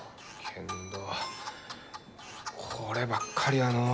けんどこればっかりはのう。